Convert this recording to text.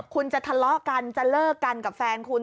คุณจะทะเลาะกันจะเลิกกันกับแฟนคุณ